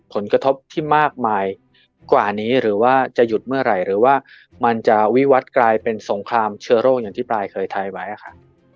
ผลกระทบที่มากมายกว่านี้หรือว่าจะหยุดเมื่อไหร่หรือว่ามันจะวิวัติกลายเป็นสงครามเชื้อโรคอย่างที่ปลายเคยทายไว้ค่ะ